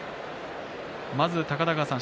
まず高田川さん